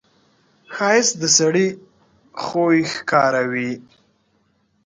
ښایست د سړي خوی ښکاروي